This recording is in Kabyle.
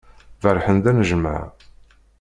Berrḥen-d anejmaε.